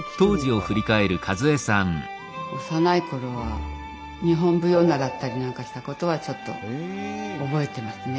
幼い頃は日本舞踊を習ったりなんかしたことはちょっと覚えていますね。